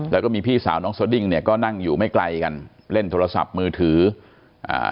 แล้วก็มีพี่สาวน้องสดิ้งเนี่ยก็นั่งอยู่ไม่ไกลกันเล่นโทรศัพท์มือถืออ่า